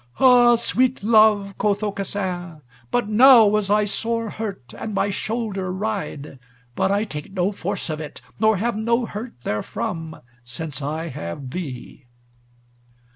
"Ha! sweet love," quoth Aucassin, "but now was I sore hurt, and my shoulder wried, but I take no force of it, nor have no hurt therefrom since I have thee."